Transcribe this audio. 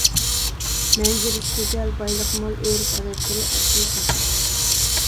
مەنزىرىسى گۈزەل، بايلىقى مول، ئۆرپ-ئادەتلىرى ئاددىي-ساددا.